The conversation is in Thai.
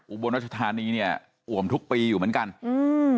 บนรัชธานีเนี่ยอ่วมทุกปีอยู่เหมือนกันอืม